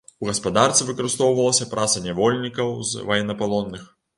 У гаспадарцы выкарыстоўвалася праца нявольнікаў з ваеннапалонных.